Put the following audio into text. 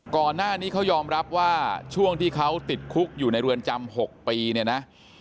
ก่อนหน้านี้เขายอมรับว่าช่วงที่เขาติดคุกอยู่ในเรือนจำ๖ปีเนี่ยนะ